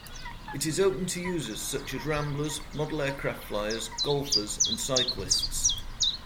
It is open to users such as ramblers, model aircraft flyers, golfers and cyclists.